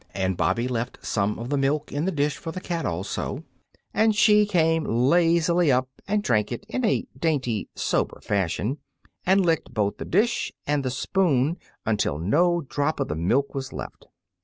And Bobby left some of the milk in the dish for the cat, also, and she came lazily up and drank it in a dainty, sober fashion, and licked both the dish and spoon until no drop of the milk was left.